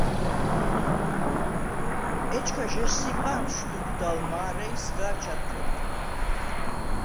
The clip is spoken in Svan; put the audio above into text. ეჩქა ჟესსიპა̄ნ შდუგვდ ალ მა̄რე ი სგა̄ჩად ქორთე.